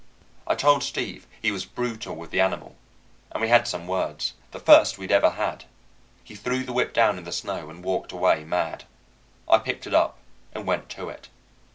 I told Steve he was brutal with the animal, and we had some words the first we'd ever had. He threw the whip down in the snow and walked away mad. I picked it up and went to it.